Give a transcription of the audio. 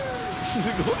すごいね。